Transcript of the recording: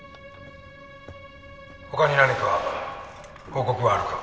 他に何か報告はあるか？